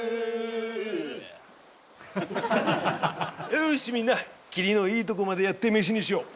よしみんな切りのいいとこまでやって飯にしよう！